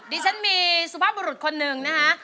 ดิฉันมีสุภาพบุรุษคนหนึ่งนะคะ